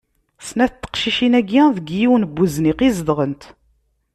Snat n teqcicin-agi deg yiwen n uzniq i zedɣent.